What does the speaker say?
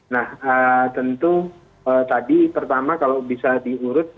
nah tentu tadi pertama kalau bisa diurut